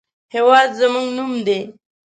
هېواد زموږ نوم دی